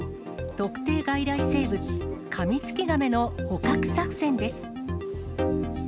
特定外来生物、カミツキガメの捕獲作戦です。